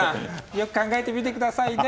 よく考えてみてくださいね。